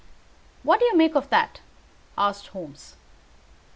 "What do you make of that?" asked Holmes.